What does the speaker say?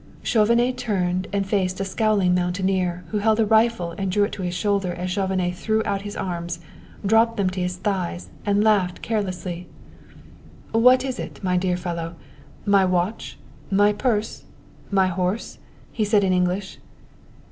Chauvenet turned and faced a scowling mountaineer who held a rifle and drew it to his shoulder as Chauvenet threw out his arms, dropped them to his thighs and laughed carelessly. "What is it, my dear fellow my watch my purse my horse?" he said in English.